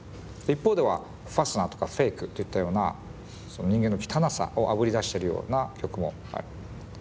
一方では『ファスナー』とか『フェイク』といったような人間の汚さをあぶり出してるような曲もある。